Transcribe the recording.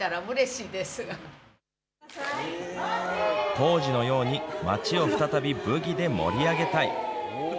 当時のように町を再びブギで盛り上げたい。